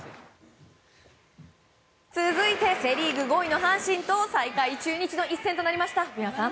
続いてセ・リーグ５位の阪神と最下位、中日の一戦となりました。